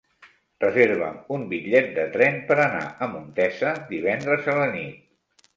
Reserva'm un bitllet de tren per anar a Montesa divendres a la nit.